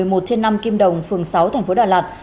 ở một mươi một trên năm kim đồng phường sáu tp đà lạt